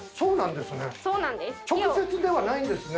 そうなんですね